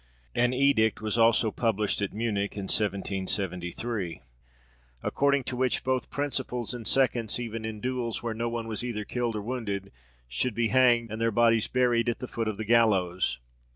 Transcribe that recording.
An edict was also published at Munich, in 1773, according to which both principals and seconds, even in duels where no one was either killed or wounded, should be hanged, and their bodies buried at the foot of the gallows.